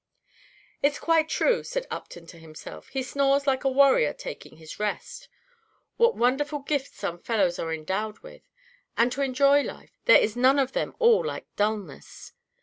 "It is quite true," said Upton to himself; "he snores 'like a warrior taking his rest.' What wonderful gifts some fellows are endowed with! and, to enjoy life, there is none of them all like dulness.